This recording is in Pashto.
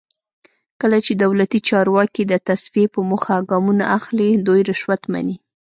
کله چې دولتي چارواکي د تصفیې په موخه ګامونه اخلي دوی رشوت مني.